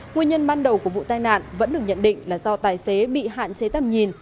nguyên nhân ban đầu của vụ tai nạn vẫn được nhận định là do tài xế bị hạn chế tầm nhìn